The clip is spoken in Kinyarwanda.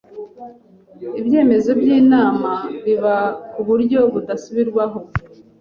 Ibyemezo by inama biba ku buryo budasubirwaho